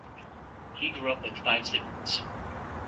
He grew up with five siblings.